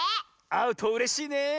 あうとうれしいねえ。